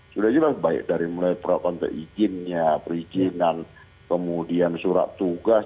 sudah jelas baik dari mulai perakon terijin ya perizinan kemudian surat tugas